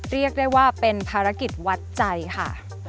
เรียกได้ว่าเป็นภารกิจวัดใจค่ะ